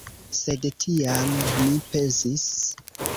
Sed tiam mi pensis: